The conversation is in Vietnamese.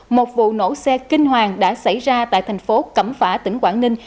một vụ nổ xe kinh hoàng đã xảy ra tại thành phố cẩm phả tỉnh quảng ninh